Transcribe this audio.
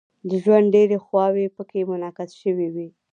د ژوند ډیرې خواوې پکې منعکس شوې وي.